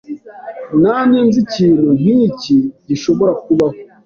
Namye nzi ikintu nkiki gishobora kubaho.